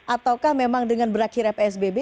ataukah memang dengan berakhir fsbb